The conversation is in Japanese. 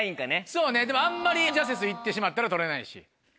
そうねでもあんまりジャセス行ってしまったら取れないし。